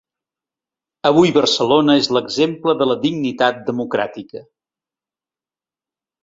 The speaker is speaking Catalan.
Avui Barcelona és l’exemple de la dignitat democràtica.